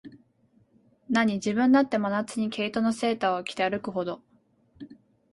なに、自分だって、真夏に毛糸のセーターを着て歩くほど、